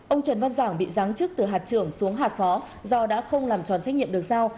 ông trần văn giảng bị giáng chức từ hạt trưởng xuống hạt phó do đã không làm tròn trách nhiệm được sao